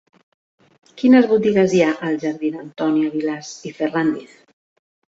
Quines botigues hi ha al jardí d'Antònia Vilàs i Ferràndiz?